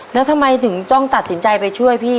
แล้วทำไมถึงต้องตัดสินใจไปช่วยพี่